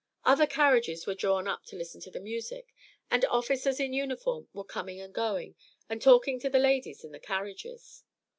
Other carriages were drawn up to listen to the music, and officers in uniform were coming and going, and talking to the ladies in the carriages.